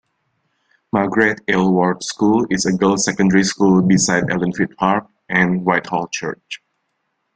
Margret Aylward School is a girls secondary school beside ellenfield park and whitehall church.